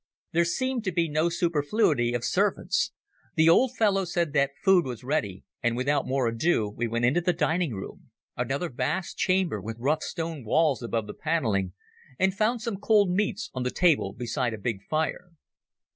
There seemed to be no superfluity of servants. The old fellow said that food was ready, and without more ado we went into the dining room—another vast chamber with rough stone walls above the panelling—and found some cold meats on the table beside a big fire.